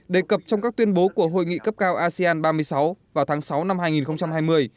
đề cập trong các tuyên bố của hội nghị cấp cao asean ba mươi sáu vào tháng sáu năm hai nghìn hai mươi